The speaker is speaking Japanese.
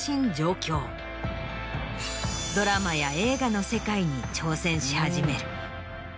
ドラマや映画の世界に挑戦し始める。